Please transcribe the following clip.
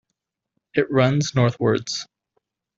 It runs northwards.